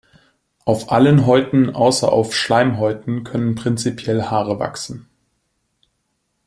Auf allen Häuten außer auf Schleimhäuten können prinzipiell Haare wachsen.